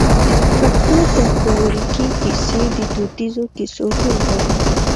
پښتو فولکلوريکي کيسې د دوديزو کيسو ټولګه ده.